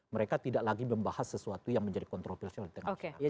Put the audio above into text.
mereka tidak lagi membahas sesuatu yang menjadi kontroversial di tengah kita